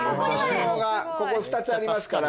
ここ２つありますから。